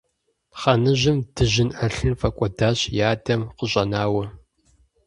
Хъаныжьым дыжьын ӏэлъын фӀэкӀуэдащ и адэм къыщӀэнауэ.